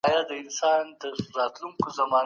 تاسي کله د مسلمانانو د غمرازۍ په غونډه کي ګډون وکړی؟